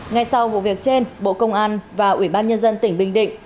ngay sau vụ việc trên bộ công an và ủy ban nhân dân tỉnh bình định